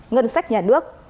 ngân sách nhà nước